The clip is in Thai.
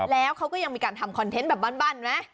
แล้วเขาก็ยังมีการทำคอนเทนต์แบบบ้านไหม